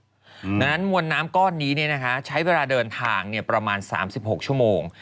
เพราะฉะนั้นมวลน้ำก้อนนี้ใช้เวลาเดินทางประมาณ๓๖ชั่วโมง